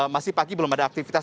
masih pagi belum ada aktivitas